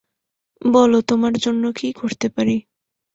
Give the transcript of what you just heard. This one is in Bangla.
বলো তোমার জন্য কী করতে পারি?